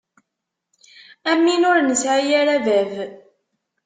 Am win ur nesɛi ara bab.